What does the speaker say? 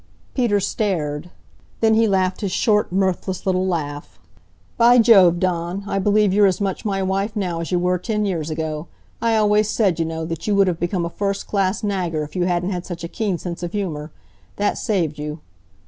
Peter stared. Then he laughed his short, mirthless little laugh. "By Jove! Dawn, I believe you're as much my wife now as you were ten years ago. I always said, you know, that you would have become a first class nagger if you hadn't had such a keen sense of humor. That saved you."